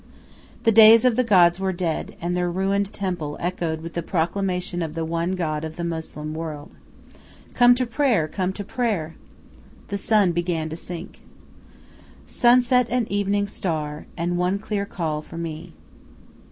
The days of the gods were dead, and their ruined temple echoed with the proclamation of the one god of the Moslem world. "Come to prayer! Come to prayer!" The sun began to sink. "Sunset and evening star, and one clear call for me."